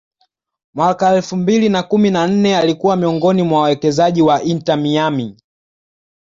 mwaka elfu mbili na kumi na nne alikuwa miongoni mwa wawekezaji wa Inter Miami